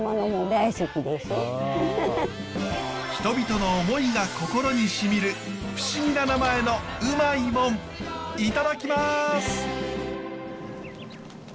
人々の思いが心にしみる不思議な名前のウマいモンいただきます！